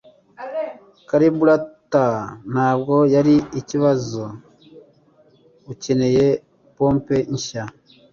Carburetor ntabwo yari ikibazo Ukeneye pompe nshya